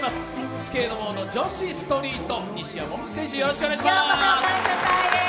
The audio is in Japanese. スケートボード女子ストリート、西矢椛選手、よろしくお願いします。